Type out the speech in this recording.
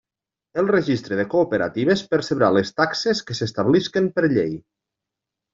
El Registre de Cooperatives percebrà les taxes que s'establisquen per llei.